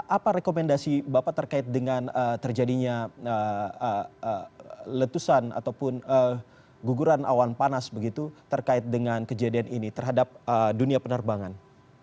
apa rekomendasi bapak terkait dengan terjadinya letusan ataupun guguran awan panas begitu terkait dengan kejadian ini terhadap dunia penerbangan